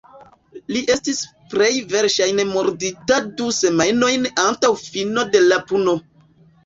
Li estis plej verŝajne murdita du semajnojn antaŭ fino de la puno.